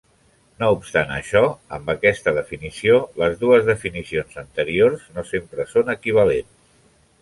No obstant això, amb aquesta definició, les dues definicions anteriors, no sempre són equivalents.